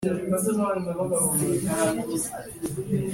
n’uko bamuhimbira akantu kemeza nk’ibyivugo bajya bumva bati